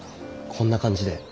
こんな感じで。